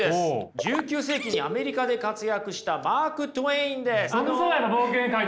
１９世紀にアメリカで活躍したマーク・トウェインです。